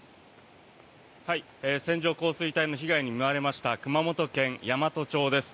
線状降水帯の被害に見舞われました熊本県山都町です。